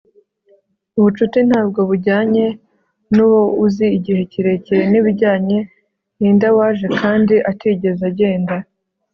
ubucuti ntabwo bujyanye nuwo uzi igihe kirekire. nibijyanye ninde waje kandi atigeze agenda